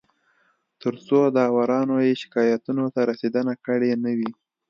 تر څو داورانو یې شکایتونو ته رسېدنه کړې نه وي